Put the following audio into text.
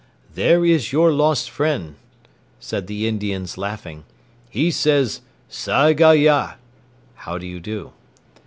"There is your lost friend," said the Indians laughing; "he says, 'Sagh a ya'" (how do you do)?